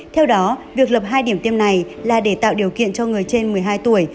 theo đó việc lập hai điểm tiêm này là để tạo điều kiện cho người trên một mươi hai tuổi